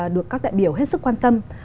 được các đại biểu hết sức quan tâm